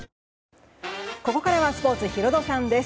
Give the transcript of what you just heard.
ここからはスポーツヒロドさんです。